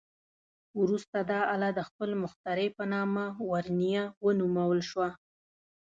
وروسته دا آله د خپل مخترع په نامه "ورنیه" ونومول شوه.